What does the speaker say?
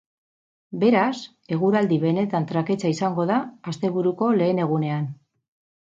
Beraz, eguraldi benetan traketsa izango da asteburuko lehen egunean.